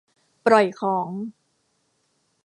ปล่อยของ